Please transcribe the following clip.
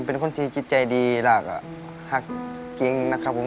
เป็นคนที่จิตใจดีแล้วก็หักกิ๊งนะครับผม